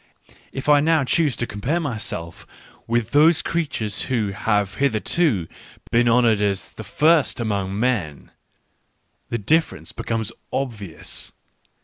If I now choose to compare myself with those creatures who have hitherto been honoured as the first among men, the difference becomes obvious.